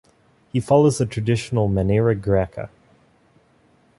He follows the traditional maniera greca.